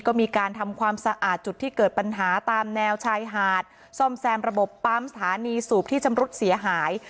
ก็มีการทำความสะอาดจุดที่เกิดปัญหาตามแนวชายหาดซ่อมแซมระบบปั๊มสถานีสูบที่ชำรุดเสียหาย